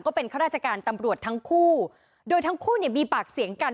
เป็นข้าราชการตำรวจทั้งคู่โดยทั้งคู่เนี่ยมีปากเสียงกัน